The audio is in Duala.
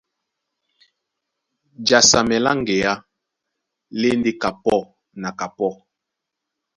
Jasamɛ lá ŋgeá lá e ndé kapɔ́ na kapɔ́,